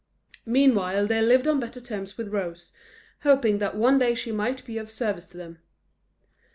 Meanwhile they lived on better terms with Rose, hoping that one day she might be of service to them.